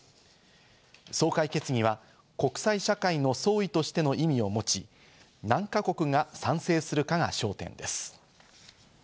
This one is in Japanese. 総会決議は国際社会の総意としての意味を持ち、何か国が賛成するかが焦点です。